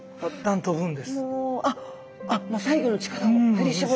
あっもう最後の力を振り絞って。